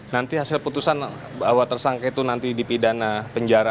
nanti hasil putusan bahwa tersangka itu nanti dipidana penjara